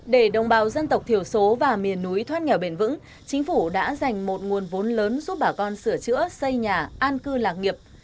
để đồng bào dân tộc thiểu số và miền núi thoát nghèo bền vững chính phủ đã dành một nguồn vốn lớn giúp bà con sửa chữa xây nhà an cư lạc nghiệp